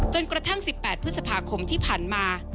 จนกระทั่ง๑๘พฤษภาคมที่ผ่านมา